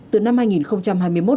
tôi vẫn phải làm một tí